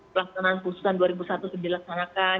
pelaksanaan khususan dua ribu satu sudah dilaksanakan